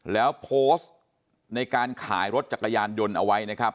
แล้วโพสต์ในการขายรถจักรยานยนต์เอาไว้นะครับ